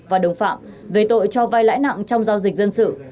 và đồng phạm về tội cho vai lãi nặng trong giao dịch dân sự